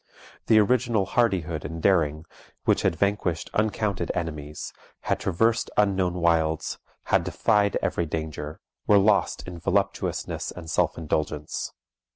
The original hardihood and daring, which had vanquished uncounted enemies, had traversed unknown wilds, had defied every danger, were lost in voluptuousness and self indulgence.